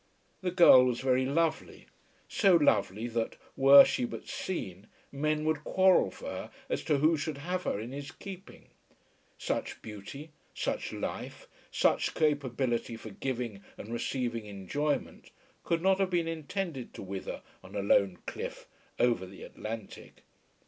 The girl was very lovely, so lovely that, were she but seen, men would quarrel for her as to who should have her in his keeping. Such beauty, such life, such capability for giving and receiving enjoyment could not have been intended to wither on a lone cliff over the Atlantic!